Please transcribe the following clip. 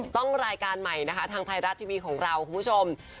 รายการใหม่นะคะทางไทยรัฐทีวีของเราคุณผู้ชม